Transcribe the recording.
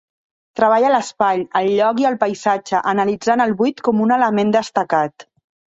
Treballa l'espai, el lloc i el paisatge, analitzant el buit com un element destacat.